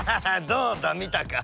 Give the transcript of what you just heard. どうだみたか！